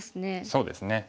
そうですね。